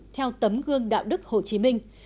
theo tấm gương đạo đức hồ chí minh